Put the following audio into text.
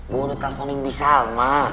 gue udah telfonin bisa alma